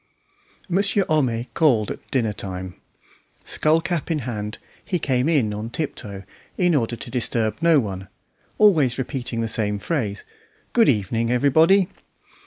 Monsieur Homais called at dinner time. Skull cap in hand, he came in on tiptoe, in order to disturb no one, always repeating the same phrase, "Good evening, everybody."